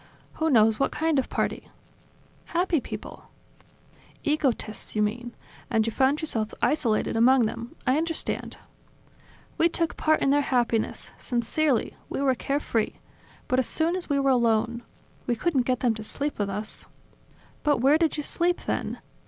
"Who knows what kind of party!" "Happy people ..." "Egotists, you mean, and you found yourselves isolated among them, I understand ..." "We took part in their happiness, sincerely, we were carefree. But as soon as we were alone ... We couldn't get them to sleep with us ..." "But where did you sleep, then?